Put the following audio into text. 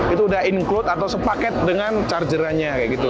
itu udah include atau sepaket dengan chargeranya kayak gitu